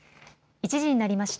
１時になりました。